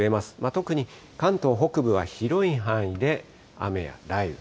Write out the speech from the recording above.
特に関東北部は広い範囲で雨や雷雨。